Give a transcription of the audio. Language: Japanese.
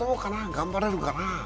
頑張れるのかな。